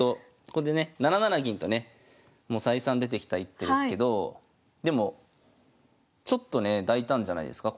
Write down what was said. ここでね７二銀とねもう再三出てきた一手ですけどでもちょっとね大胆じゃないですか？